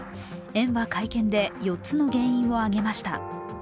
園は会見で４つの原因を挙げました